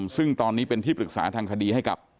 ซึ่งตอนนี้เป็นที่ปรึกษาทางคดีให้กับ